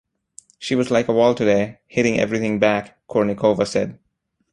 'She was like a wall today, hitting everything back', Kournikova said.